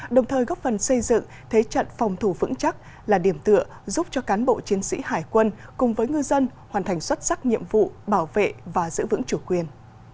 đồng thời góp phần xây dựng thế trận phòng thủ vững chắc là điểm tựa giúp cho cán bộ chiến sĩ hải quân cùng với ngư dân hoàn thành xuất sắc nhiệm vụ bảo vệ và giữ vững chủ quyền